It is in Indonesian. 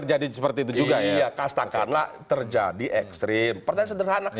pasti dia kembali ke jakarta